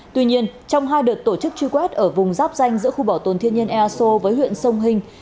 tuy nhiên trong hai đợt tổ chức truy quét ở vùng dắp danh giữa khu bảo tồn thiên nhân e a s o với huyện sông hình